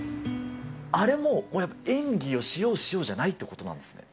あれも演技をしようしようじゃないってことなんですね。